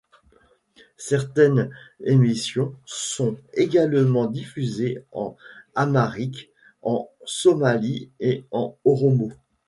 Certaines émissions sont également diffusées en amharique, en somali et en oromo.